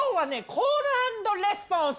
コールアンドレスポンス。